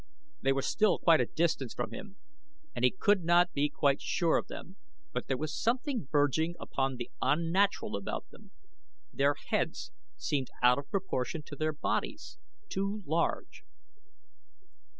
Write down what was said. They were still quite a distance from him and he could not be quite sure of them, but there was something verging upon the unnatural about them. Their heads seemed out of proportion to their bodies too large.